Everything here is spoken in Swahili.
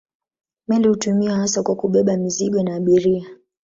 Meli hutumiwa hasa kwa kubeba mizigo na abiria.